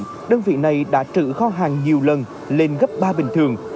siêu thị đã trự kho hàng nhiều lần lên gấp ba bình thường